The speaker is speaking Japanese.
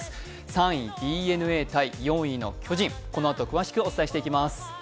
３位・ＤＮＡ×４位・巨人、このあと詳しくお伝えしていきます。